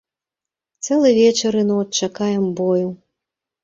Цэлы вечар і ноч чакаем бою.